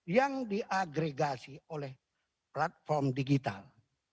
yang diagregasi oleh platform digital